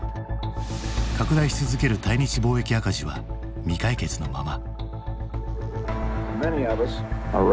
拡大し続ける対日貿易赤字は未解決のまま。